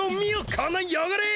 このよごれ！